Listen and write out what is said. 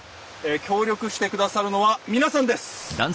協力して下さるのは皆さんです。